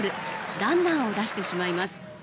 ランナーを出してしまいます。